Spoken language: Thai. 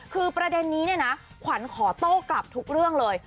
คือประเด็นนี้เนี่ยนะขวัญขอโต้กลับทุกเรื่องเลย